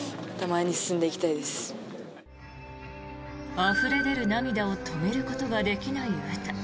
あふれ出る涙を止めることができない詩。